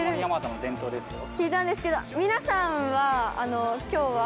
聞いたんですけど皆さんは今日は。